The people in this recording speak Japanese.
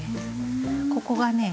ここがね